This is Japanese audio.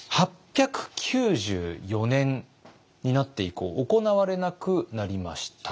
８９４年になって以降行われなくなりました。